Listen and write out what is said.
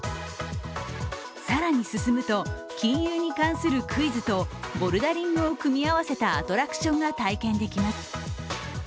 更に進むと、金融に関するクイズとボルダリングを組み合わせたアトラクションが体験できます。